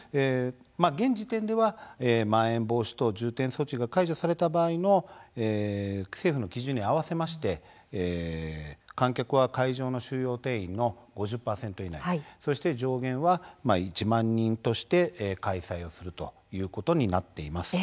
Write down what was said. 現時点ではまん延防止等重点措置が解除された場合の政府の基準に合わせまして観客は会場の収容定員の５０％以内そして上限は１万人として開催をするということになっています。